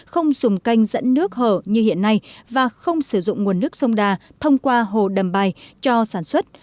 không dùng canh dẫn nước hở như hiện nay và không sử dụng nguồn nước sông đà thông qua hồ đầm bài cho sản xuất